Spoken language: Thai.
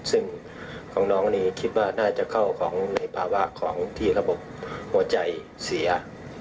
ซึ่งของน้องนี่คิดว่าน่าจะเข้าของในภาวะของที่ระบบหัวใจเสีย